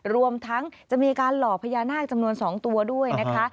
รวมทั้งจะมีการหล่อพญานาคจำนวน๒ตัวด้วยนะคะ